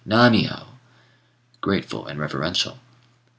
nammiyô!" grateful and reverential.